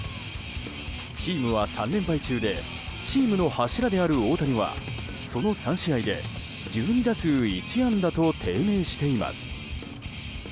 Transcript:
チームは３連敗中でチームの柱である大谷はその３試合で、１２打数１安打と低迷しています。